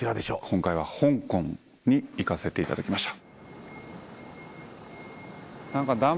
今回は香港に行かせていただきました。